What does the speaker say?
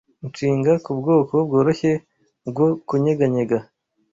Inshinga kubwoko bworoshye bwo kunyeganyega